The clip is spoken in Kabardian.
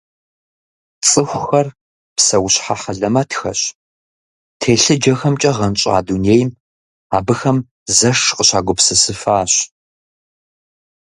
Цӏыхухэр псэущхьэ хьэлэмэтхэщ - телъыджэхэмкӏэ гъэнщӏа дунейм абыхэм зэш къыщагупсысыфащ.